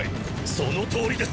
そのとおりです！